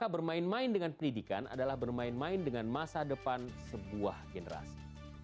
dan bermain main dengan pendidikan adalah bermain main dengan masa depan sebuah generasi